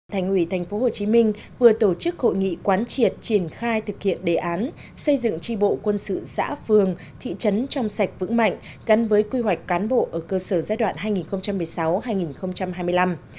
thành ủy tp hcm vừa tổ chức hội nghị quán triệt triển khai thực hiện đề án xây dựng tri bộ quân sự xã phường thị trấn trong sạch vững mạnh gắn với quy hoạch cán bộ ở cơ sở giai đoạn hai nghìn một mươi sáu hai nghìn hai mươi năm